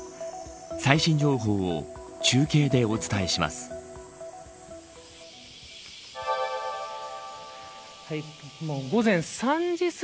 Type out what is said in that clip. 最新情報を中継でお伝えします。